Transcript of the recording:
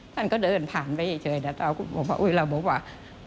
ท่านก็เดินผ่านไปเฉยแล้วเราบอกว่า